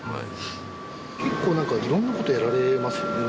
結構なんかいろんなことやられますよね？